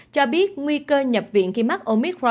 cho biết nguy cơ nhập viện khi mắc omicron